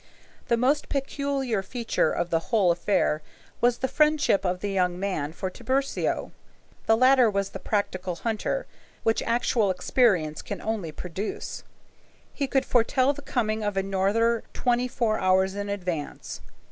The most peculiar feature of the whole affair was the friendship of the young man for Tiburcio. The latter was the practical hunter, which actual experience only can produce. He could foretell the coming of a norther twenty four hours in advance.